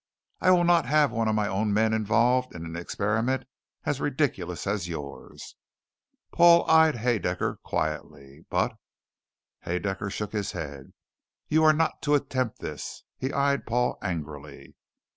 "I will not have one of my own men involved in an experiment as ridiculous as yours!" Paul eyed Haedaecker quietly. "But " Haedaecker shook his head. "You are not to attempt this." He eyed Paul angrily.